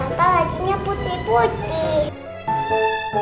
papa bajunya putih putih